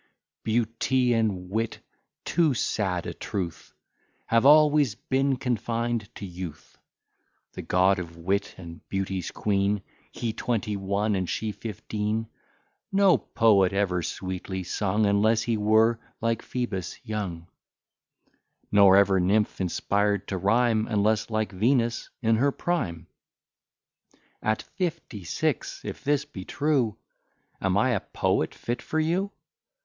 Beauty and wit, too sad a truth! Have always been confined to youth; The god of wit and beauty's queen, He twenty one and she fifteen, No poet ever sweetly sung, Unless he were, like Phoebus, young; Nor ever nymph inspired to rhyme, Unless, like Venus, in her prime. At fifty six, if this be true, Am I a poet fit for you?